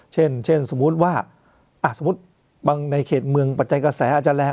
เช่นสมมุติว่าสมมุติบางในเขตเมืองปัจจัยกระแสอาจจะแรง